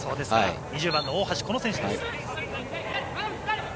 ２０番の大橋この選手です。